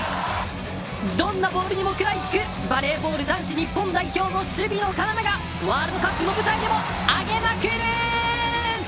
どんなボールにも食らいつくバレーボール男子日本代表の守備の要がワールドカップの舞台でも上げまくる。